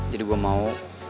jadi gua mau